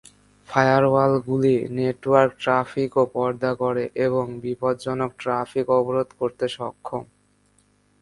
ফায়ারওয়ালগুলি network ট্র্যাফিকও পর্দা করে এবং বিপজ্জনক ট্রাফিক অবরোধ করতে সক্ষম।